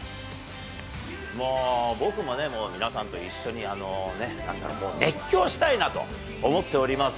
もう僕もね、皆さんと一緒に、熱狂したいなと思っております。